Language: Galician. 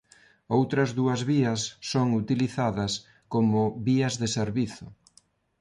Outras dúas vías son utilizadas como vías de servizo.